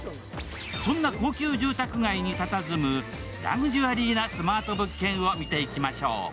そんな高級住宅街にたたずむラグジュアリーなスマート物件を見ていきましょう。